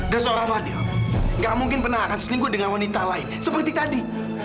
dan seorang fadil tidak mungkin pernah akan selingkuh dengan wanita lain seperti tadi